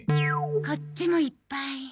こっちもいっぱい。